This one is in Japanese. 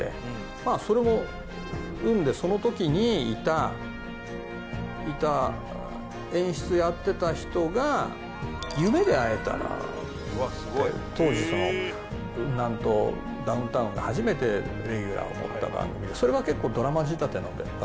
まあそれも運でその時にいた演出やってた人が『夢で逢えたら』って当時ウンナンとダウンタウンが初めてレギュラーを持った番組それは結構ドラマ仕立ての番組。